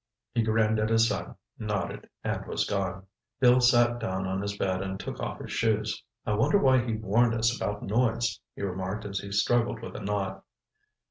He grinned at his son, nodded, and was gone. Bill sat down on his bed and took off his shoes. "I wonder why he warned us about noise," he remarked as he struggled with a knot.